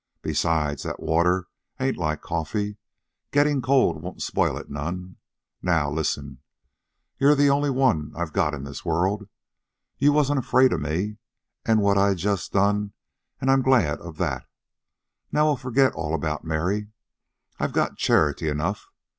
"Besides, that water ain't like coffee. Gettin' cold won't spoil it none. Now, listen. You're the only one I got in this world. You wasn't afraid of me an' what I just done, an' I'm glad of that. Now we'll forget all about Mary. I got charity enough.